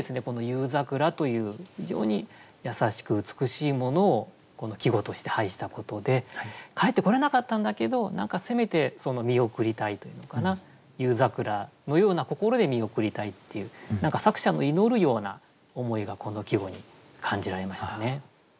この「夕桜」という非常に優しく美しいものを季語として配したことで帰ってこれなかったんだけど何かせめて見送りたいというのかな夕桜のような心で見送りたいっていう何か作者の祈るような思いがこの季語に感じられましたね。